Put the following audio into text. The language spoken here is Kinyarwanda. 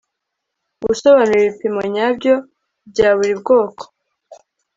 gusobanura ibipimo nyabyo bya buri bwoko